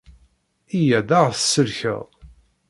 Yya-d a ɣ-tsellkeḍ!